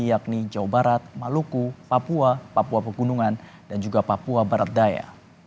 yakni jawa barat maluku papua papua pegunungan dan juga papua barat daya